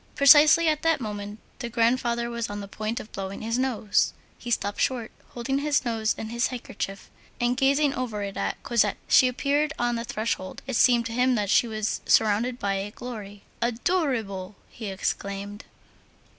Precisely at that moment, the grandfather was on the point of blowing his nose; he stopped short, holding his nose in his handkerchief, and gazing over it at Cosette. She appeared on the threshold; it seemed to him that she was surrounded by a glory. "Adorable!" he exclaimed.